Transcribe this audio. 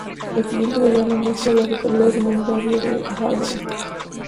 El siguiente diagrama muestra a las localidades en un radio de de Harmony.